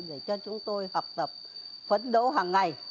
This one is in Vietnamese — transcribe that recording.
để cho chúng tôi học tập phấn đấu hàng ngày